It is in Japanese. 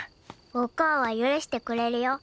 おかあは許してくれるよ。